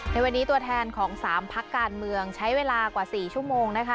ในวันนี้ตัวแทนของ๓พักการเมืองใช้เวลากว่า๔ชั่วโมงนะคะ